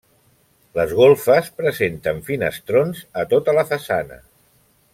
Les golfes presenten finestrons a tota la façana.